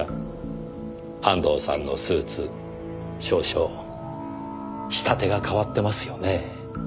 安藤さんのスーツ少々仕立てが変わってますよね？